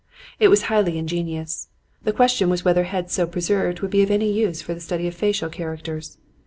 "It was highly ingenious. The question was whether heads so preserved would be of any use for the study of facial characters.